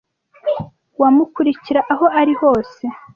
wamukurikira aho ariho hose